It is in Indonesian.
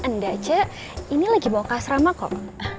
nda ceh ini lagi bawa ke asrama kok